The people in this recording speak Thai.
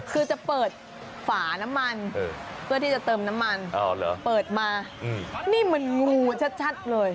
คือจะเปิดฝาน้ำมันเพื่อที่จะเติมน้ำมันเปิดมานี่มันงูชัดเลย